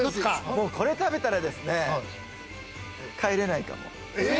これ食べたらですね、帰れないかも。